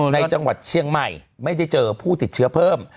ในจังหวัดเชียงใหม่ไม่ได้เจอผู้ติดเชื้อเพิ่ม